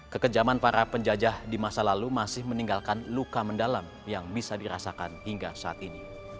kekejaman para penjajah di masa lalu masih meninggalkan luka mendalam yang bisa dirasakan hingga saat ini